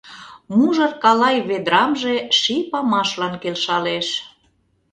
Мужыр калай ведрамже Ший памашлан келшалеш.